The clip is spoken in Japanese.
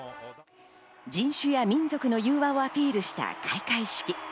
人種や民族の融和をアピールした開会式。